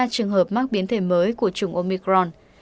ba trường hợp mắc biến thể mới của chủng omicron